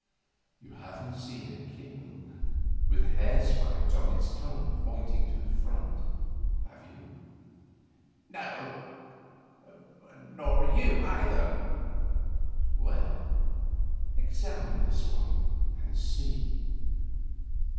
"You haven't seen a kitten with the hair spines on its tongue pointing to the front, have you?" "No nor you, either." "Well, examine this one and see."